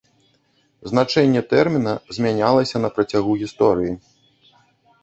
Значэнне тэрміна змянялася на працягу гісторыі.